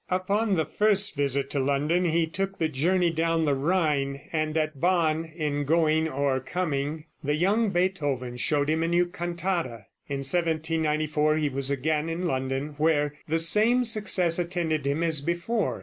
Upon the first visit to London he took the journey down the Rhine, and at Bonn, in going or coming, the young Beethoven showed him a new cantata. In 1794 he was again in London, where the same success attended him as before.